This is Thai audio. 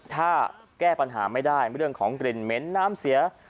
ถ้าแก้ปัญหาไม่ได้เรื่องของกลิ่นเหม็นน้ำเสีย